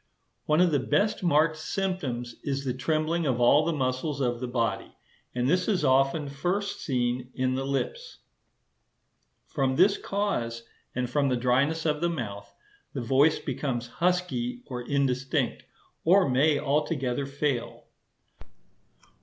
One of the best marked symptoms is the trembling of all the muscles of the body; and this is often first seen in the lips. From this cause, and from the dryness of the mouth, the voice becomes husky or indistinct, or may altogether fail.